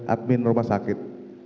admin rumah sakit